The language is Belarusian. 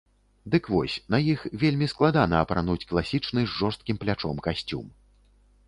Дык вось, на іх вельмі складана апрануць класічны з жорсткім плячом касцюм.